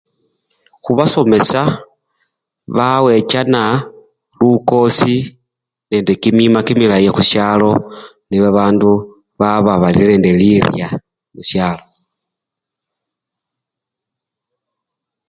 Khubasomesa bawechana lukosi nende kimima kimilayi khushalo nebabandu baba balinende lirya khushalo.